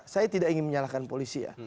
saya tidak ingin menyalahkan polisi ya